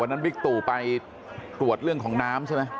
วันนั้นวิกตุไปตรวจเรื่องของน้ำใช่ไหม